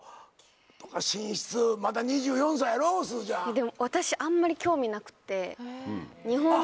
でも私あんまり興味なくって。